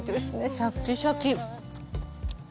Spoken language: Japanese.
シャッキシャキ。